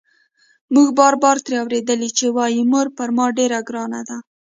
موږ بار بار ترې اورېدلي چې وايي مور پر ما ډېره ګرانه ده.